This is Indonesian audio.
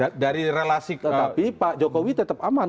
tetapi pak jokowi tetap aman